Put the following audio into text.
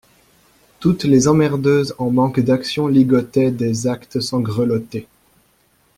Toutes les emmerdeuses en manque d'action ligotaient des actes sans grelotter.